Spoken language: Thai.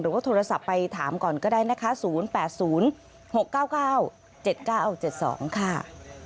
หรือว่าโทรศัพท์ไปถามก่อนก็ได้นะคะ๐๘๐๖๙๙๗๙๗๒ค่ะ